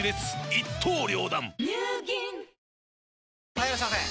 ・はいいらっしゃいませ！